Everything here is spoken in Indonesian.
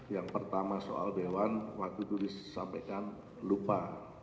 yang pertama soal dewan waktu itu disampaikan lupa